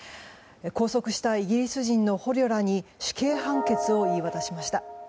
拘束したイギリス人の捕虜らに死刑判決を言い渡しました。